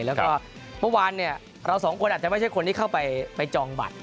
แล้วก็เมื่อวานเนี่ยเราสองคนอาจจะไม่ใช่คนที่เข้าไปจองบัตร